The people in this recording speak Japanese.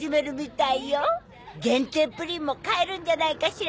限定プリンも買えるんじゃないかしら。